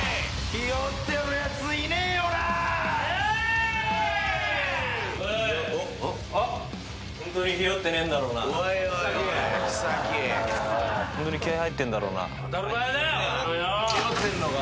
ひよってんのか？